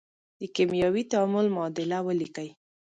د کیمیاوي تعامل معادله ولیکئ.